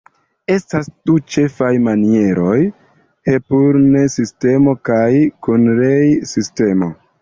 Estas du ĉefaj manieroj: Hepurn-sistemo kaj Kunrei-sistemo.